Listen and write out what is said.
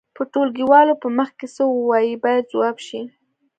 د ټولګيوالو په مخ کې څه ووایئ باید ځواب شي.